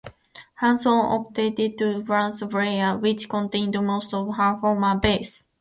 Hanson opted to contest Blair, which contained most of her former base.